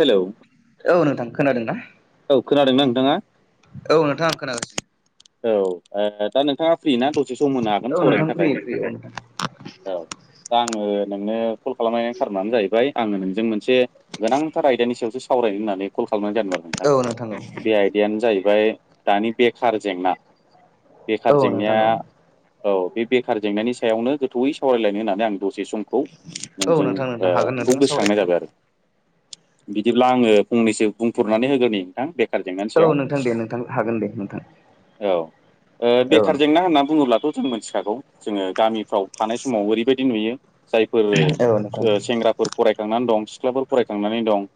Hello औ नोंथां खोनादों ना औ खोनादोंना नोंथाङा औ नोंथाङा आं खोनागासिनो औ ओ दा नोंथाङा फ्रि ना द एसे सम होनो हागोन औ नोंथां सावरायनो फ्रि थाखाय फ्रि औ नोंथां औ दा आङो नोंनो कल खालामनायनि कार'नानो जाहैबाय आङो नोंजों मोनसे गोनांथार आयदानि सायावसो सावरायनो होननानै कल खालामनाय जादो औ नोंथां औ ओफाय दानि बेखार जेंना बेखार औ नोंथां औ जेंनाया औ बे बेखार जेंनानि सायावनो गोथौयै सावरायलायनो होननानै आं द से समखौ औ नोंजों नोंथां नोंथां हागोन नखौ नोंथाङा गोसोखांनाय सावरायनो जाबाय आरो बिदिब्ला आङो फंनैसो बुंफोरनानै होगोनि नोंथां बे बेखार जेनानि औ सायाव नोंथां दे नोंथां हागोन दे नोंथां औ ओ औ बेखार जेंना होनना बुङोब्लाथ' जों मिथिखागौ जोङो गामि फ़्राव थानाय समाव ओरैबायदि नुयो जायफोर नोंथां औ नोंथां ओसेंग्राफोर फराय खांनानै दं सिख्लाफोर फरायखांनानै दं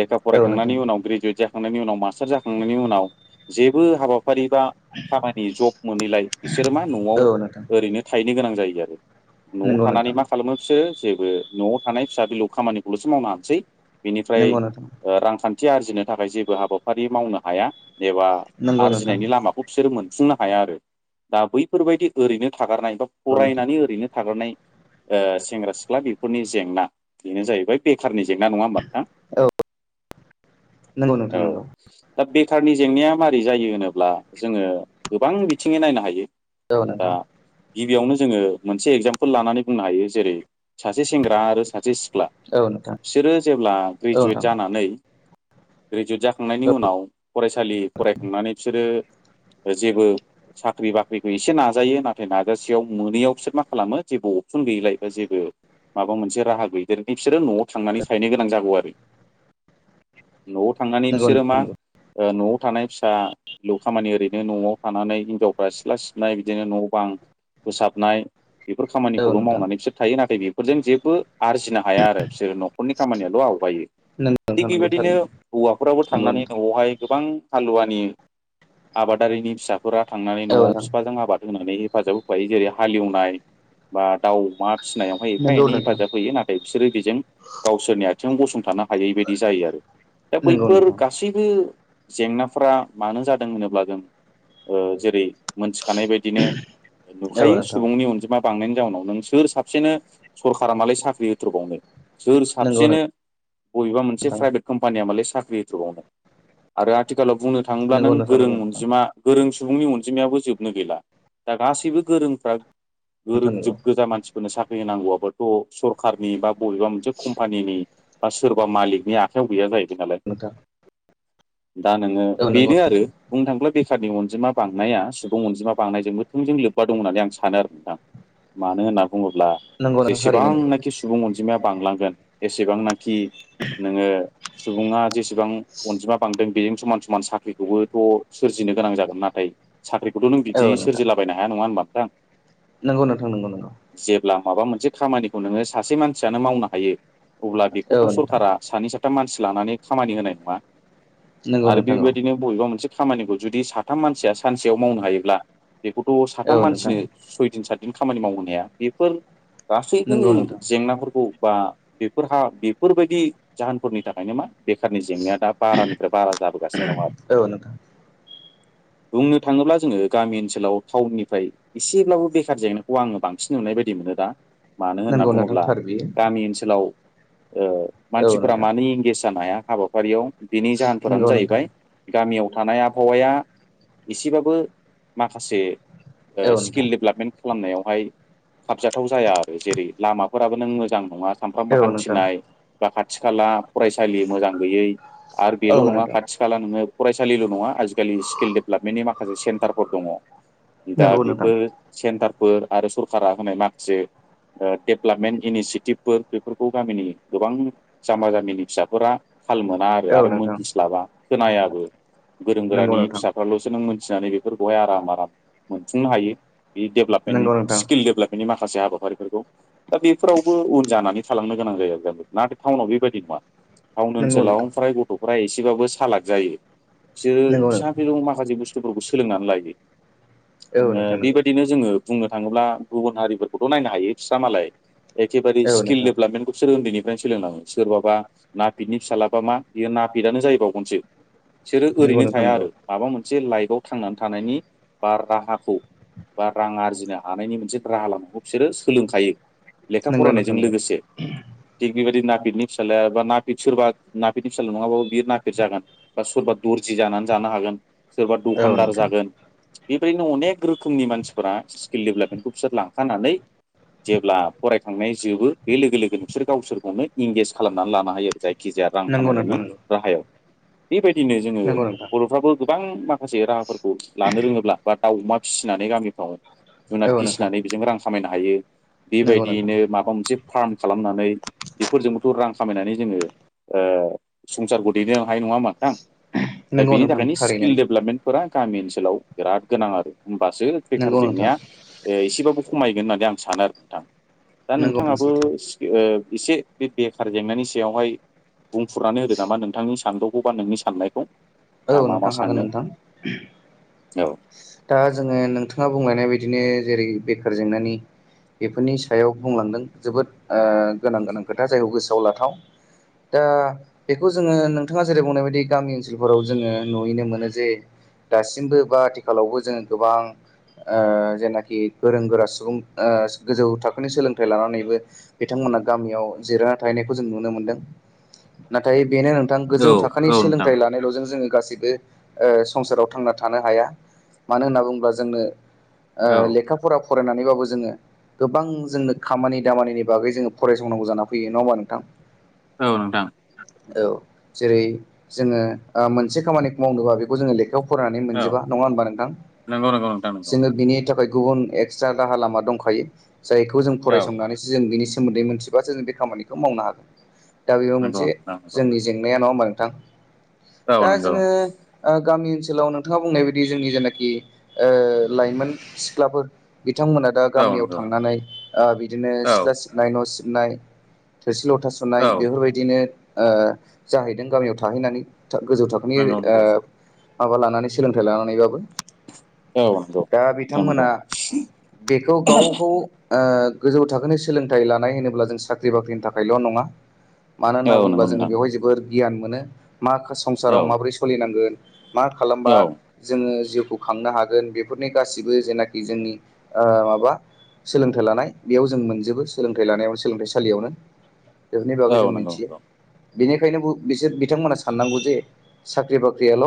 लेखा औ नोंथां फरायखांनायनि उनाव ग्रेजुयेट जा खांनायनि उनाव मास्टार जाखांनायनि उनाव जेबो हाबा फारि बा खामानि जब मोनैलाय बिसोरो मा न'आव औ नोंथां ओरैनो थाहैनो गोनां जायो आरो न'आव नंगौ थानानै नोंथां मा खालामो बिसोर जेबो न'आव थानाय फिसा फिल' खामानिखौल'सो मावनो हानोसै बिनिफ्राय नंगौ नोंथां रांखान्थि आरजिनो थाखाय जेबो हाबाफारि मावनो हाया एबा नंगौ नोंथां आरजिनायनि लामाखौ बिसोरो मोनफुंनो हाया आरो दा बैफोरबायदि ओरैनो थागारनाय बा नंगौ नोंथां फरायनानै ओरैनो थादनाय ओ सेंग्रा -सिख्ला बेफोरनि जेंना बेनो जाहैबाय बेखारनि जेंना नङा होमबा नोंथां औ नंगौ नोंथां औ नोंगौ दा बेखारनि जेंनाया मारै जायो होनोब्ला जोङो गोबां बिथिङै नायनो हायो अ दा नोथां गिबियावनो जोङो मोनसे एगजामपोल लानानै बुंनो हायो जेरै सासे सेंग्रा आरो सासे सिख्ला औ नोंथां बिसोरो जेब्ला औ नोंथां ग्रेजुवेट जानानै ग्रेजुवेट जाखांनायनि औ उनाव फरायसालि फरायखांनानै बिसोरो जेबो साख्रि बाख्रिखौ एसे नाजायो नाथाय नाजासेयाव मोनैयाव बिसोर मा खालामो जेबो अपसन गैयलाय बा जेबो माबा मोनसे राहा गैदेरयिनि बिसोरो न'आव थांनानै थायनो गोनां जागौ आरो न'आव थांनानै नंगौ बिसोरो मा नोंथां नंगौ न'आव थानाय फिसा खामानि ओरैनो न'आव थानानै हिनजावफ्रा सिथ्ला सिबनाय बिदिनो न' बां फोसाबनाय बेफोर औ खामानिखौल' नोंथां मावनानै बिसोर थायो। नाथाय बेफोरजों जेबो आरजिनो हाया आरो। बिसोरो न'खरनि खामानियाल' आवगायो। नंगौ थिग नोंथां नंगौ बेबादिनो थारैनो हौवाफोरावबो नंगौ थांनानै नोंथां न'आवहाय गोबां हालुवानि आबादारिनि फिसा फोरा थांनानै औ न'आव फिफाजों आबाद होनानै हेफाजाब होफायो। जेरै हालेवनाय बा दाउ, अमा फिसिनायावहाय एफा एनै नोंथां हेफाजाब होयो। नाथाय बिसोरो बेजों गावसोरनि आथिङाव गसं थानो हायै बायदि जायो आरो दा नंगौ बैफोर नोंथां गासैबो जेंनाफोरा मानो जादों होनोब्ला जों ओ जेरै मोनस थानाय बायदिनो नंगौ नोंथां औ नुखायो नोंथां सुबुंनि अनजिमा बांनायनि जाउनाव नों सोर साबसेनो सरखारा मालाय साख्रि होथ्र'बावनो। सोर नंगौ नोंथां साबसेनो बबेबा मोनसे नोंथां प्राइभेट कम्पानियाव साख्रिआ होथ्रबावनो? आरो आथिखालाव बुंनो थाङोब्ला नंगौ नों नोंथां गोरों नंगौ नोंथां अनजिमा गोरों सुबुंनि अनजिमायाबो जोबनो गैला। दा गासैबो गोरोंफ्रा गोरों नोंथां नंगौ जोब गोजा मानसि फोरनो साख्रि होनांगौआबोथ' सरखारनि बा बबेबा मोनसे कम्फानिनि बा सोरबा मालिकनि आखाइयाव गैया जाहैबाय नालाय। नोंथां। दा नोङो औ नंगौ बेनो आरो नोंथां बुंनो थाङोब्ला बेखारनि अनजिमा बांनाया सुबुं अनजिमा बांनायजों मोथोंजों लोब्बा दं होननानै आं सानो आरो नोंथां मानो होनना बुङोब्ला नंगौ नोंथां थारैनो नंगौ जेसेबांनाखि सुबुं अनजिमाया बांलांगोन एसेबांना खि नोङो सुबुङा जेसेबां अनजिमा बांदों बेजों समान समान साख्रिखौबोथ' सोरजिनो गोनां जागोन। नाथाय साख्रिखौथ' नों औ बिदि नोंथां सोरजिलाबायनो हाया, नङा होनोमबा? नंगौ नोंथां नंगौ नंगौ। जेब्ला माबा मोनसे खामानिखौ नोङो सासे मानसियानो मावनो हायो। अब्ला बेखौथ' औ नोंथां सरकारा सानै सा थाम मानसि लानानै खामानि होनाय नङा नंगौ आरो नोंथां औ बेबायदिनो बबेबा मोनसे खामानिखौ जुदि साथाम मानसिया सानसेयाव मावनो हायोब्ला बेखौथ' साथाम औ नोंथां मानसिनो सयदिन साद दिन खामानि मावहोनो हाया। बेफोर गासैबो नंगौ नोंथां जेंनाफोरखौ बा बेफोरहा बेफोरबायदि जाहोनफोरनि थाखायनो मा बेखारनि जेंनाया दा बारानिफ्राय बारा जाबोगासिनो दं आरो। औ नोंथां बुंनो थाङोब्ला जोङो गामि ओनसोलाव टाउननिफ्राय एसेब्लाबो बेखार जेंनाखौ आङो बांसिन नुनाय बायदि मोनो दा। मानो होनना नंगौ नोंथां बुङोब्ला थार बियो गामि ओनसोलाव ओ औ मानसिफोरा नोंथां मानो इंगेज जानो हाया हाबाफारियाव बिनि जाहोनफोरानो नंगौ नोंथां जाहैबाय गामियाव थानाय आबहावाया एसेबाबो माखासे ओ औ नोंथां स्किल डेभलपमेन्ट खालामनायावहाय खाबजाथाव जाया आरो जेरै लामाफोराबो नों मोजां नङा। सानफ्रामबो औ नोंथां हान्थिनाय बा खाथि खाला फरायसालि मोजां गैयै। आरबेल' औ नङा नोंथां खाथि खाला नोङो फरायसालिल' नङा, आलिकालि डेभलपमेन्टनि माखासे सेन्टारफोर दङ। दा नंगौ नोंथां बेफोर सेन्टारफोर आरो सरखारा होनाय माखासे ओ डेभलपमेन्ट इनिसियेटिभफोर बेफोरखौ गामिनि गोबां जाम्बा जाम्बिनि फिसा फोरा थाल मोना आरो औ आरो नोंथां मोनथिस्लाबा, खोनायाबो। गोरों नंगौ गोरानि नोंथां फिसाफ्राल'सो नों मोनथिनानै बेफोरखौहाय आराम आराम मोनफुंनो हायो। बे नंगौ डेभलपेन्ट नोंथां स्किल डेभपेन्टनि माखासे हाबा फारिफोरखौ। दा बेफोरावबो उन जानानै थालांनो गोनां जायो आरो नाथाय थाउनाव बेबायदि नङा। थाउन नंगौ नोंथां ओनसोलाव फ्राय गथ'फ्रा एसेबाबो सालाख जायो। बिसोरो नंगौ फिसा नोंथां फिलौ माखासे बुस्थुफोरखौ सोलोंनानै लायो। औ नोंथां नंगौ बेबायदिनो जोङो बुंनो थाङोब्ला गुबुन हारिफोरखौथ' नायनो हायो, बिस्रा मालाय एखेबे औ स्किल नोंथां डेभलपमेन्टखौसोर उन्दैनि फ्रायनो सोलोंलाङो। सोरबाबा नापिदनि फिसालाबा मा बियो नापिदआनो जाहैबावगोनसो। बिसोरो नंगौ ओरैनो नोंथां थाया आरो माबा मोनसे लाइफआव थांनानै थानायनि बा राहाखौ बा रां आरजिनो हानायनि मोनसे राहा लामाखौ बिसोरो सोलोंखायो। लेखा नंगौ नंगौ फरायनायजों नोंथां लोगोसे। थिग बेबायदि नापिदनि फिसालाया बा ना बे सोरबा नाफिदनि फिसाज्ला नङाबाबो बियो नाफिद जागोन बा सोरबा दर्जि जानानै जानो हागोन। सोरबा नंगौ औ दखानदार नोंथां जागोन। बेबायदिनो अनेक रोखोमनि मानसिफोरा स्किल डेभेलपमेन्टखौ बिसोर लांखानानै जेब्ला फरायखांनाय जोबो बे लोगो लोगो नोंसोर गावसोरखौनो इंगेज खालामनानै लानो हायो आरो। खि जाया रां नंगौ खामायनायनि नोंथां नंगौ राहायाव बेबायदि फिनो जोङो नंगौ नोंथां बर'फ्राबो गोबां माखासे राहाफोरखौ लानो रोङोब्ला बा दाउ अमा फिसिनानै गामिफ्राव जुनाद औ नोंथां फिसिनानै बेजों रां खामायनो हायो। नंगौ नोंथां बेबायदियैनो माबा मोनसे फार्म खालामनानै बेफोरजोंबोथ' रां खामायनानै जोङो ओ संसारखौ दैनो हायो नङा होनबा नोंथां? दा नंगौ बेनि नोंथां थाखायनो स्किल थारैनो डेभेलपमेन्टफोरा गामि ओनसोलाव बिराद गोनां आरो होमबासो बेखार नंगौ नोंथां जेंनाया एसेबाबो खमायगोन होननानै आं सानो आरो नोंथां दा नंगौ नोंथां नोंथाङाबो सैथो ओ एसे बे बेखार जेंनानि सायावहाय बुंफुरनानै होदो नामा नोंथांनि सानदौखौ बा नोंनि साननायखौ? औ दा मा मा नोंथां हागोन सानदों नोंथां। औ दा जोङो नोंथाङा बुंलायनाय बायदिनो जेरै बेखार जेंनानि बेफोरनि सायाव बुंलांदों जोबोद गोनां गोनां खोथा जायखौ गोसोआव लाथाव दा बेखौ जोङो नोंथाङा जेरै बुंनाय बायदि गामि ओनसोलाव फोराव जोङो नुनो मोनो जे दासिमबो बा आथिखालावबो जोङो गोबां ओ जेनाखि गोरों गोरा सुबुं ओ गोजौ थाखोनि सोलोंथाइ लानानैबो बिथांमोन गामियाव जिरायना थाहैनायखौ जों नुनो मोनदों नाथाय बेनो गोजौ औ थाखोनि औ नोंथां सोलोंथाइ लानायल' जों गासैबो ओ संसाराव थांनानै थानो हाया मानो होननानै बुङोब्ला जोंनो ओ औ लेखा फरा फरायनानैबाबो जोङो गोबां जोंनो खामानि दामानिनि बागै जोङो फरायसंनांगौ जानानै फैयो नङा होमबा नोंथां? औ नोंथां। औ जेरै जोङो ओ मोनसे खामानिखौ मावनोबा बेखौ जोङो लेखा बेयाव फरायनानै औ मोनजोबा नङा होनोमबा नोंथां नंगौ नंगौ नोंथां नंगौ जोङो बिनि थाखाय गुबुन एक्सट्रा राहा लामा दंखायो जायखौ जों औ फरायसंनानैसो जों सोमोन्दै मिथिबासो जों बे खामानिखौ मावनो हागोन दा बेबो नंगौ मोनसे नोंथां नंगौ जोंनि जेंनाया नङा होमबा? नोंथां औ दा नंगौ जोङो ओ गामि ओनसोलाव नोंथाङा बुंनाय बायदि जोंनि जेनाखि ओ लाइमोन सिख्लाफोर बिथांमोना दा औ गामियाव नंगौ थांनानै ओ बिदिनो औ सिथ्ला सिबनाय न' सिबनाय थोरसि लथा सुनाय औ बेफोरबायदिनो ओ जाहैदों गामियाव थाहैनानै। गोजौ नंगौ थाखोनिओ नंगौ माबा लानानै सोलोंथाइ लानानैबाबो। औ नंगौ दा नोंथां नंगौ बिथांमोना बेखौ गाव गाव ओ गोजौ थाखोनि सोलोंथाइ लानाय होनोब्ला जों साख्रि बाख्रिनि थाखायल' नङा मानो होनना औ बुङोब्ला नंगौ जोङो नोंथां बेवहाय जोबोर गियान मोनो मा औ संसाराव माबोरै सोलिनांगोन मा खालामबा औ जोङो जिउखौ खांनो हागोन बेफोरनि गासिबो जेनाखि जोंनि ओ माबा सोलोंथाइ लानाय बेयाव जों मोनजोबो सोलोंथाइ लानायाव सोलोंथाइसालियावनो। बेफोरनि बागै जों औ नंगौ मिथियो नंगौ बेनिखायनो बिसोर बिथांमोना साननांगौ जे साख्रि बाख्रियाल'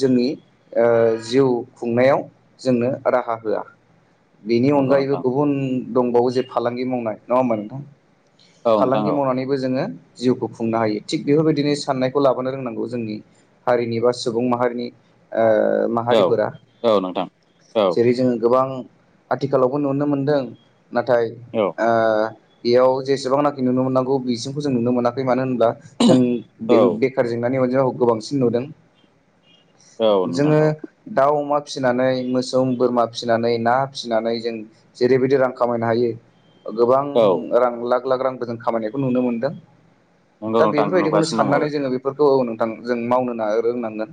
जोंनि ओ जिउ खुंनायाव जोंनो राहा हो बिनि नंगौ अनगायैबो नोंथां गुबुन दंबावो जे फालांगि मावनाय नङा होमबा नोंथां? औ नोंथां फालांगि औ मावनानैबो जोङो जिउखौ खुंनो हायो थिग बेफोरबायदिनो साननायखौ लाबो। बोनो रोंनांगौ जोंनि हारिनि बा सुबुं माहारिनि ओ ओ औ माहारिफोरा औ नोंथां औ जेरै जोङो गोबां आथिखालावबो नुनो मोनदों नाथाय औ ओ बेयाव जेसेबांनाखि नुनो मोननांगौ बिसिमखौ जों नुनो मोनाखै मानो होनोबब्ला जों बे औ [unintelligible] गोबांसिन नुदों औ नोंथां जोङो औ दाव अमा फिसिनानै मोसौ बोरमा फिसिनानै ना फिसिनानै जों जेरैबायदि रां खामायनो हायो गोबां औ रां लाख लाख रांबो जों खामायानिखौ नुनो मोनदों। नंगौ दा नोंथां बेफोरबायदिखौनो नुगासिनो साननानै जोङो औ औ नोथां जों मावनो ना रोंनांगोन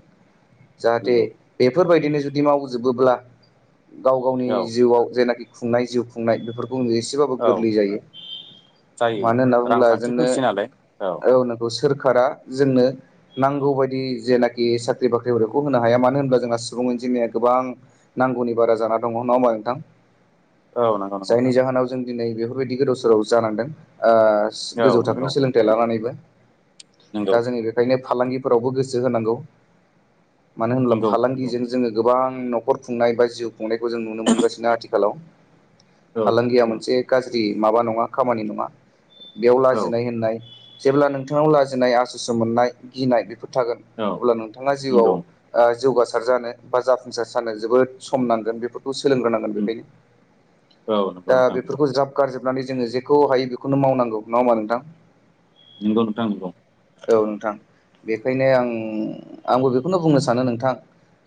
दङ जाहाथे औ बे फोरबायदिनो जुदि मावजोबोब्ला गाव गावनि नंगौ जिउआव जेनाखि खुंनाय जिउ खुंनाय बेफोर बुंनो एसेबाबो औ औ गोरलै जायो। जायो मानो होनना बुंब्ला रांखान्थि जोंनो फैसै नालाय औ नोंखौ सोर जोंनो नांगौ बायदि जेनाखि साख्रि बाख्रिफोरखौ होनो हाया मानो होनबा जोंहा सुबुं अनजिमाया गो बां नांगौनि बारा जाना दङ नङा होमबा नोंथां। औ नंगौ नंगौ जायनि नोंथां जाहोनाव जों दिनै बेफोरबायदि गोदाव सोराव जानांदों। ओस औ गोजौ थाखोनि नंगौ सोलोंथाइ लानानैबो। नंगौ दा जोंङो बेखायनो फालांगिफोरावबो गोसो होनांगौ। मानो होनब्ला नंगौ नंगौ फालांगिजों जोङो गोबां नख'र खुंनाय बा जिउ खुंनायखौ जों नुनो मोनगासिनो आथिखालाव। औ नंगौ फालांगिया नोंथां मोनसे गाज्रि माबा नङा खामानि नङा। बेयाव औ लाजिनाय होननाय जेब्ला नोंथांनाव लाजिनाय आसुसु मोननाय गिनाय बेफोर थागोन अब्ला नोंथाङा जिवाव नंगौ ओ जौगासा र जानो बा जाफुंसार जानो जोबोद सम नांगोन बेफोर खौ सोलोंग्रोनांगोन बेखायनो औ नंगौ नोंथां दा नंगौ बेफोरखौ ज्राब गारजोब नानै जोङो जेखौ हायो बेखौनो मावनांगौ नङा होमबा नोंथां। नोंगौ नोंथां नोंगौ। औ नोंथां बेखायनो आं आंबो बेखौनो बुंनो सानो नोंथां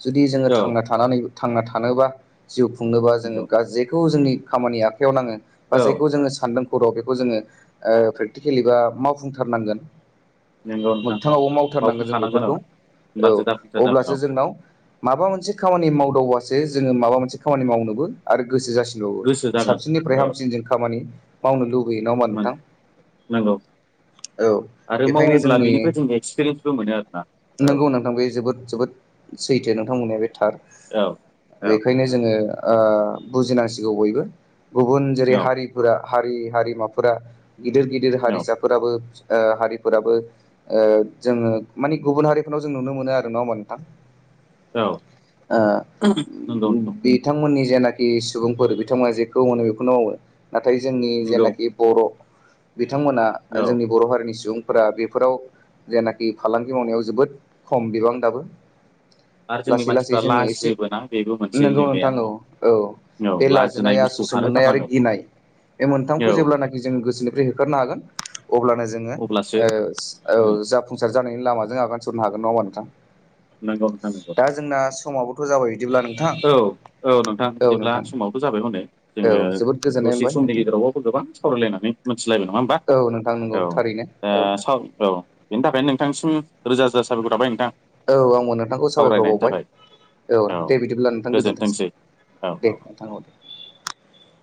जुदि जोङो औ थांना थानानै थांना थानोबा जिउ खुंनोबा जोङो नंगौ गाज्रिखौ जोंनि खामानि आखायाव नाङो बा औ जेखौ जोङो सानदों [unintelligible] बेखौ जोङो ओ प्रेकटिकेलि बा मावफुंथारनांगोन। नंगौ नोंथां मोगथाङावबो मावथारनांगोन जों मावफुंखानांगोन औ बेफोरखौ। होमब्लासो औ जाफुंसार जागोन अब्लासो औ जोंनाव माबा मोनसे खामानि माव दावबासो जोङो माबा मोनसे खामानि मावनोबो आरो गोसो जासिनबावो गोसो जागोन साबसिननिफ्राय औ हामसिनजों खामानि मावनो लुबैयो नङा होमबा नोंथां। नोंगौ। औ बेखायनो जोंनि बेनिफ्राय जों एक्सपिरियेन्सबो मोनो आरोना औ नंगौ नोंथां बे जोबोद जोबोद सैथो नोंथां बुंनाया बे थार औ औ बेखायनो जोङो ओ बुजिनांसिगौ बयबो गुबुन जेरै औ हारिफोरा हारि हारिमाफोरा गिदिर गिदिर हारिसाफोराबो ओ हारि फोराबो ओ जोङो मानि गुबुन हारिफोरनाव जों नुनो मोनो आरो नङा होनबा नोंथां। औ औ ओ नंगौ ओम नंगौ बिथांमोननि जेनाखि सुबुंफोर बिथांमोना जेखौ मोनो बेखौनो मावो नाथाय जोंनि नंगौ जेनाखि बर' बिथांमोना औ जोंनि बर' हारिनि सुबुं फोरा बेफोराव जेनाखि फालांगि मावनायाव जोबोद खम बिबां दाबो। आरो जोंनि लासै लासै मानसिफ्रा जोङो एसे लाजियोबोना बेबो मोनसे नंगौ जेंनाया नोंथां औ औ। औ बे लाजिनाय, बुस्थु आसुसु मोननाय आरो खारहोथारनांगौ गिनाय बे मोनथामखौ औ जेब्लानाखि जों गोसोनिफ्राय होखारनो हागोन अब्लानो जोङो अब्लासो ओस औ उम जाफुंसार जानायनि लामाजों आगान सुरनो हागोन नङा होमबा नंगौ नंगौ नोंथां दा जोंना समाबोथ' जाबाय बिदिब्ला नोंथां औ औ नोंथां औ बिदिब्ला नोंथां समाबोथ' जाबाय हनै औ जोङो जोबोद गोजोननाय दसे मोनबाय समनि नोंथां गेजेरावबबो गोबां सावरायलायनानै मोनथिलायबाय नामा होमबा औ नोंथां नंगौ औ थारैनो दा औ साव औ बेनि थाखायनो नोंथांसिम रोजा रोजा साबायखर थाबाय नोंथां। औ आंबो नोंथांखौ साबायखर सावरायनायनि बावबाय थाखाय औ दे बिदि ब्ला नोंथां गोजोनथोंसै। औ दे औ नोंथां [unintelligible]